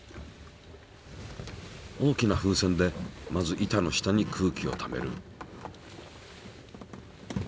大きな風船でまず板の下に空気をためる。